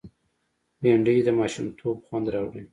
بېنډۍ د ماشومتوب خوند راوړي